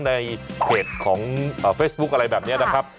ในเพจของเฟซบุ๊คอะไรแบบนี้นะครับ